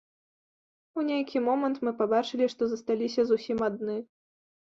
У нейкі момант мы пабачылі, што засталіся зусім адны.